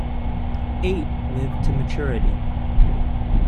Eight lived to maturity.